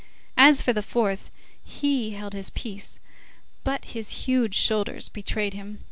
As for the fourth, he held his peace, but his huge shoulders betrayed him.